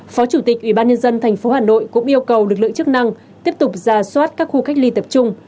phó chủ tịch ubnd tp hà nội cũng yêu cầu lực lượng chức năng tiếp tục ra soát các khu cách ly tập trung